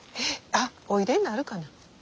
あっおいでになるかな？